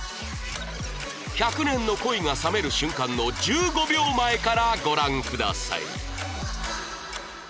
１００年の恋が冷める瞬間の１５秒前からご覧ください